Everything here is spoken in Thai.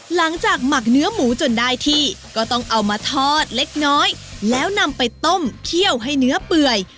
หมักเนื้อหมูจนได้ที่ก็ต้องเอามาทอดเล็กน้อยแล้วนำไปต้มเคี่ยวให้เนื้อเปื่อย